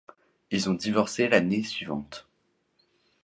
Ils ont divorcé l'année suivante.